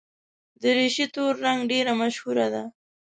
دریشي تور رنګ ډېره مشهوره ده.